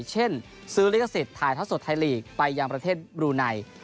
เช่นซื้อลิกสิทธิ์ไทยทัชสดไทยลีกไปยังประเทศบรูไน